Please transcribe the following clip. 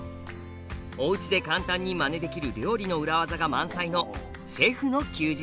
おうちで簡単にまねできる料理の裏技が満載の「シェフの休日」。